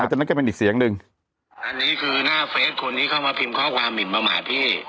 มันก็จะนักการเป็นอีกเสียงหนึ่งอันนี้คือหน้าเฟซคนนี้เข้ามาพิมพ์ข้อความหมิ่มมาหมาดพี่